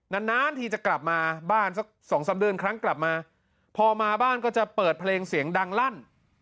นานนานทีจะกลับมาบ้านสักสองสามเดือนครั้งกลับมาพอมาบ้านก็จะเปิดเพลงเสียงดังลั่น